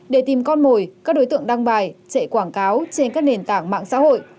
để tìm con mồi các đối tượng đăng bài chạy quảng cáo trên các nền tảng mạng xã hội